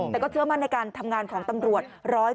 แต่ก็เชื่อมั่นในการทำงานของตำรวจ๑๐